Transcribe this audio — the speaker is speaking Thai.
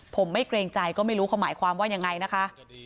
ผมไม่เกรงใจก็ไม่รู้เขาหมายความว่ายังไงนะคะ